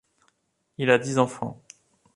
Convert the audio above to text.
Il a dix enfants.